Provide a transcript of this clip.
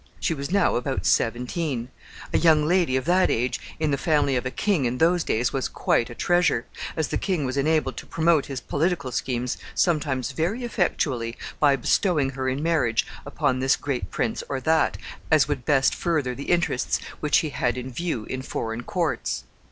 She was now about seventeen. A young lady of that age in the family of a king in those days was quite a treasure, as the king was enabled to promote his political schemes sometimes very effectually by bestowing her in marriage upon this great prince or that, as would best further the interests which he had in view in foreign courts.